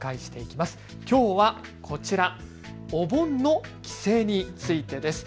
きょうは、こちらお盆の帰省についてです。